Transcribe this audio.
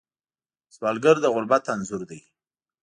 سوالګر د غربت انځور دی